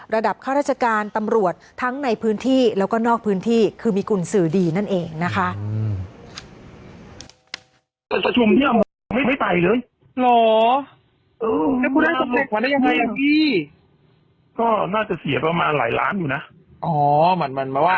ข้าราชการตำรวจทั้งในพื้นที่แล้วก็นอกพื้นที่คือมีกุญสือดีนั่นเองนะคะ